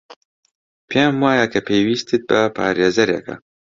پێم وایە کە پێویستت بە پارێزەرێکە.